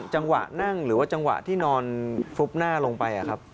จังหวะนั่งหรือว่าจังหวะที่นอนฟุบหน้าลงไปครับ